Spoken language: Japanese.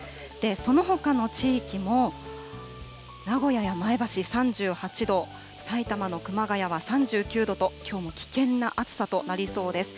そのほかの地域も、名古屋や前橋３８度、埼玉の熊谷は３９度と、きょうも危険な暑さとなりそうです。